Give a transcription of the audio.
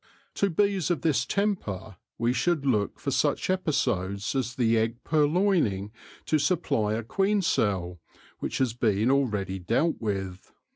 To bees of this temper we should look for such episodes as the egg purloining to supply a queen cell, which has been already dealt with.